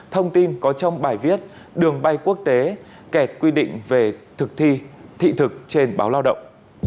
thông tin có trong bài viết đường bay quốc tế kẹt quy định về thực thi thị thực trên báo lao động